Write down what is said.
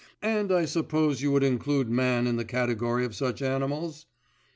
and I suppose you would include man in the category of such animals?"